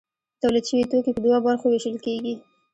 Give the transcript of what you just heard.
تولید شوي توکي په دوو برخو ویشل کیږي.